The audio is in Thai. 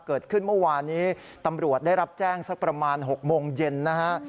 เกิดขึ้นเมื่อวานนี้ตำรวจได้รับแจ้งสักประมาณ๖โมงเย็นนะฮะ